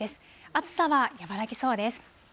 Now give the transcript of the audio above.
暑さは和らぎそうです。